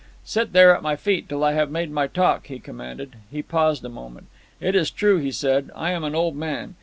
"Sit there at my feet till I have made my talk," he commanded. He paused a moment. "It is true," he said, "I am an old man.